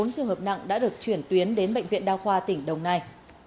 bốn trường hợp nặng đã được chuyển tuyến đến bệnh viện đa khoa tỉnh đồng nai